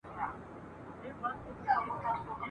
چي مي خپل وي جوماتونه خپل ملا خپل یې وعظونه !.